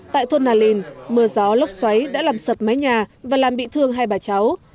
tại thôn nà linh mưa gió lốc xoáy đã làm sập mái nhà và làm bị thương hai bà cháu